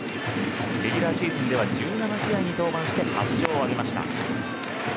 レギュラーシーズンでは１７試合に登板して８勝を挙げました。